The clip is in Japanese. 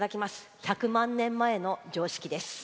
１００万年前の常識です。